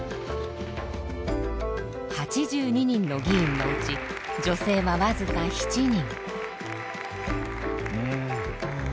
８２人の議員のうち女性は僅か７人。